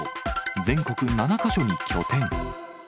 全国７か所に拠点。